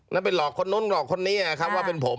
แล้วไปหลอกคนนู้นหลอกคนนี้นะครับว่าเป็นผม